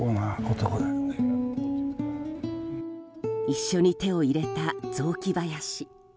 一緒に手を入れた雑木林。